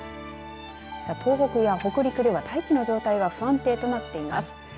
東北や北陸では、大気の状態が不安定となっています。